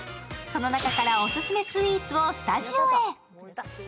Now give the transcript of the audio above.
その中からオススメスイーツをスタジオへ。